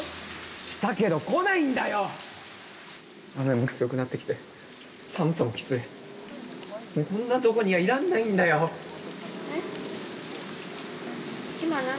したけど来ないんだよ！雨も強くなってきて寒さもきついもうこんなとこにはいらんないんだよ☎えっ